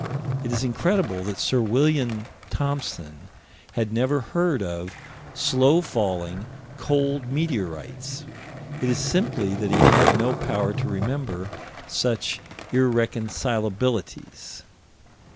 It is incredible that Sir William Thomson had never heard of slow falling, cold meteorites. It is simply that he had no power to remember such irreconcilabilities.